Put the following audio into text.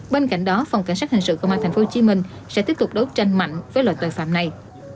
bên cạnh đó phòng cảnh sát hình sự công an tp hcm sẽ tiếp tục đấu tranh mạnh với loại tội phạm này